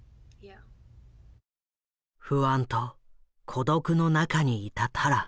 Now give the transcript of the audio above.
不安と孤独の中にいたタラ。